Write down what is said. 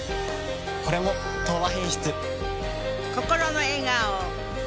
これも「東和品質」。